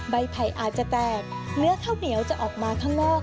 ไผ่อาจจะแตกเนื้อข้าวเหนียวจะออกมาข้างนอก